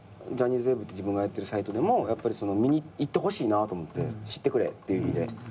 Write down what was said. ’ｓｗｅｂって自分がやってるサイトでもやっぱり見に行ってほしいなと思って知ってくれって意味で。